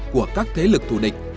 của các thế lực thù địch